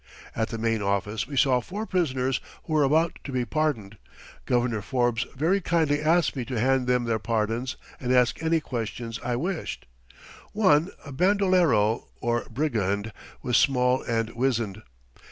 At the main office we saw four prisoners who were about to be pardoned. Governor Forbes very kindly asked me to hand them their pardons and ask any questions I wished. One, a bandolero, or brigand, was small and wizened.